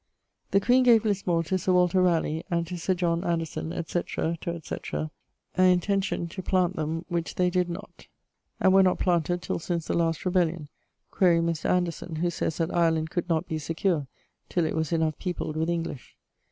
The queen gave Lismore to Sir Walter Raleigh, and ... to Sir John Anderson, etc. to etc., eâ intentione to plant them, which they did not; and were not planted till since the last rebellion quaere Mr. Anderson, who sayes that Ireland could not be secure till it was enough peopled with English.